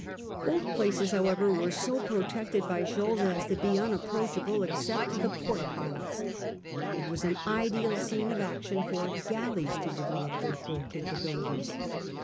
Both places, however, were so protected by shoals as to be unapproachable except to the port pilots. It was an ideal scene of action for galleys to develop their full capabilities.